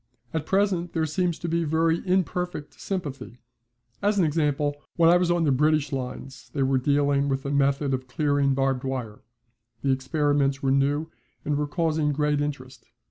At present there seems to be very imperfect sympathy. As an example, when I was on the British lines they were dealing with a method of clearing barbed wire. The experiments were new and were causing great interest.